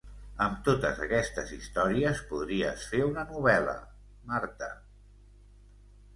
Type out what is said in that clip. Amb totes aquestes històries podries fer una novel·la, Marta.